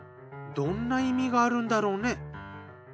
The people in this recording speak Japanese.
どんな意味があるんだろうね？